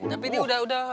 tapi dia udah udah